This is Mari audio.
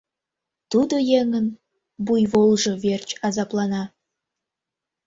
Тудо еҥын буйволжо верч азаплана.